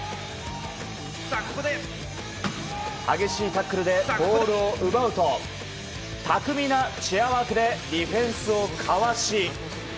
激しいタックルでボールを奪うと巧みなチェアワークでディフェンスをかわし